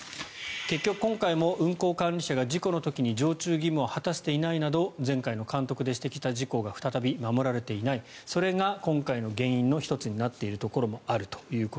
結局今回も運航管理者が事故の時に常駐義務を果たしていないなど前回の監査で指摘したことが再び守られていないそれが今回の原因の１つになっているところもあると。